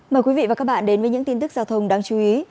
mời quý vị và các bạn đến với những tin tức giao thông đáng chú ý